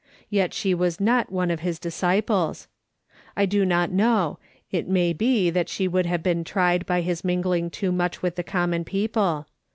Yet she was not one of his disciples. I do not Icnow ; it may be tliat she would have been tried by his mingling too much with the common people.